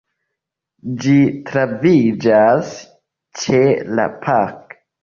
Ĝi troviĝas ĉe la “Park”.